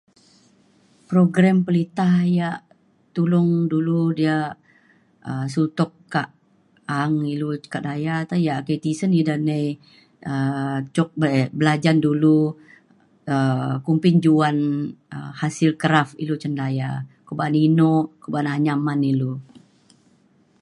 program perinta yak tulong dulu diak um sutok kak a’ang ilu ka daya te yak ake tisen ida nai um cuk be- belajan dulu um kumbin juan um hasil kraf handicraft ilu cin daya. ko ba’an eno ko ba’an anyaman ilu